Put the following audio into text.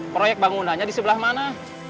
proyek bangunannya di sebelah mana